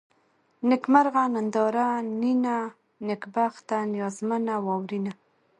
نېکمرغه ، ننداره ، نينه ، نېکبخته ، نيازمنه ، واورېنه